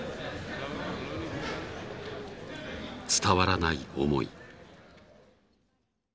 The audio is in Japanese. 伝わらない思い。